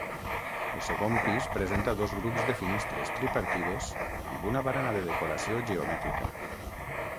El segon pis presenta dos grups de finestres tripartides amb una barana de decoració geomètrica.